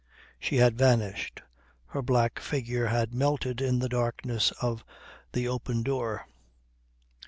She had vanished, her black figure had melted in the darkness of the open door.